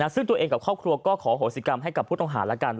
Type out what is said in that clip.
ซึ่งตัวเองกับครอบครัวก็ขอโหสิกรรมให้กับผู้ต้องหาแล้วกัน